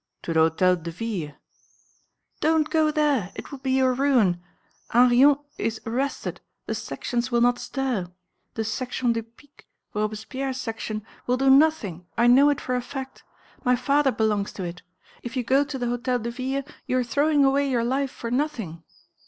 "To the Hôtel de Ville." "Don't go there! It would be your ruin; Hanriot is arrested ... the Sections will not stir. The Section des Piques, Robespierre's Section, will do nothing, I know it for a fact; my father belongs to it. If you go to the Hôtel de Ville, you are throwing away your life for nothing."